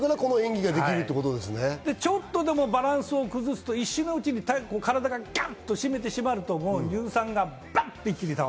ちょっとでもバランスを崩すと、一瞬のうちに体を締めてしまうと乳酸がバッと。